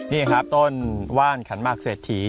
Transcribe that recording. นี่ครับต้นว่านขันหมากเศรษฐี